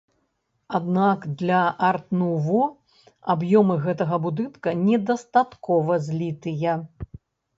Аднак для арт-нуво аб'ёмы гэтага будынка недастаткова злітыя.